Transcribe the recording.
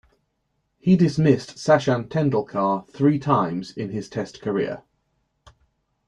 He dismissed Sachin Tendulkar three times in his Test career.